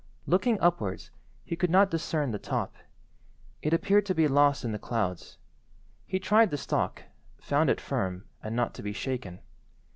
Looking upwards, he could not discern the top. It appeared to be lost in the clouds. He tried the stalk, found it firm, and not to be shaken.